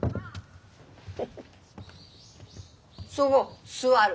そご座る。